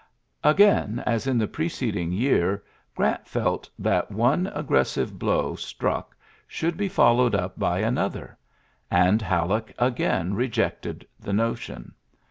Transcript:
Again, as in the preceding year. Grant felt that one aggressive blow struck should be followed up by an other; and Halleck again rejected the notion.